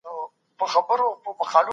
يو کېلو زر ګرامه خامخا کیږي.